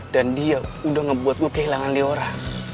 dan dia udah ngebuat gue kehilangan liora